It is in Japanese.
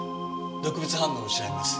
毒物反応を調べます。